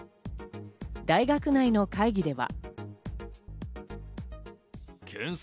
大学内の会議では。